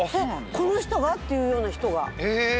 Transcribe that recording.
この人が？っていうような人が。え！